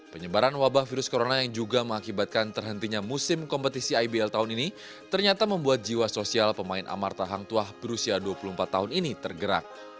penyebaran wabah virus corona yang juga mengakibatkan terhentinya musim kompetisi ibl tahun ini ternyata membuat jiwa sosial pemain amarta hangtuah berusia dua puluh empat tahun ini tergerak